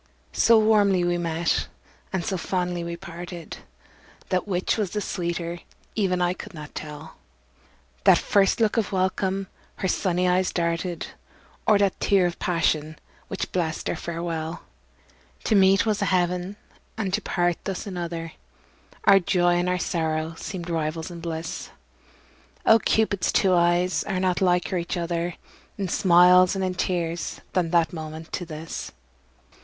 So warmly we met and so fondly we parted, That which was the sweeter even I could not tell, That first look of welcome her sunny eyes darted, Or that tear of passion, which blest our farewell. To meet was a heaven and to part thus another, Our joy and our sorrow seemed rivals in bliss; Oh! Cupid's two eyes are not liker each other In smiles and in tears than that moment to this.